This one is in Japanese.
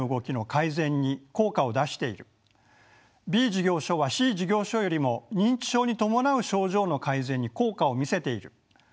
「Ｂ事業所はＣ事業所よりも認知症に伴う症状の改善に効果を見せている」